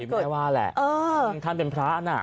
อย่างที่แม่ว่าแหละถ้าเป็นพระน่ะ